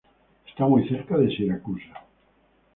Está muy cerca de Siracusa.